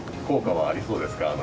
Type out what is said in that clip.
効果はありそうですか？